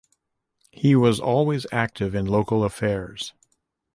He was always active in local affairs.